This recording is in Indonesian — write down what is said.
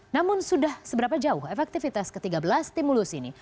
namun sudah seberapa jauh efektivitas ke tiga belas stimulus ini